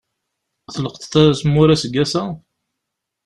Tleqḍeḍ azemmur aseggas-a?